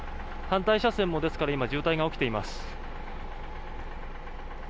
反対車線も、ですから今渋滞が起きています。